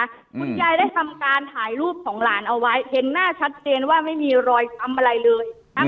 คุณยายได้ทำการถ่ายรูปของหลานเอาไว้เห็นหน้าชัดเจนว่าไม่มีรอยช้ำอะไรเลย